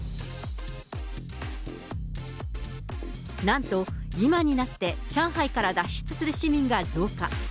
なんと、今になって上海から脱出する市民が増加。